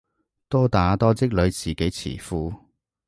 多打多積累自己詞庫